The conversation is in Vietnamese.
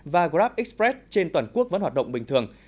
và grabexpress trên toàn quốc vẫn hoạt động bình thường